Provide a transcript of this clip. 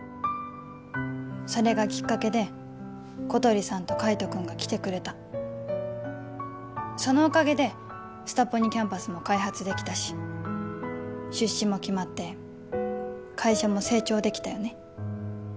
それがきっかけで小鳥さんと海斗君が来てくれたそのおかげでスタポニキャンパスも開発できたし出資も決まって会社も成長できたよね